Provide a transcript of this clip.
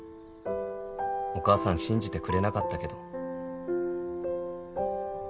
「お母さん信じてくれなかったけど」